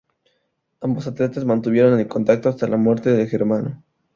Ambos atletas mantuvieron el contacto hasta la muerte del germano.